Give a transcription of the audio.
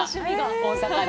大阪で。